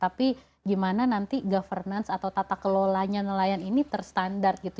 tapi gimana nanti governance atau tata kelolanya nelayan ini terstandar gitu